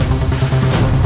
dia yang menang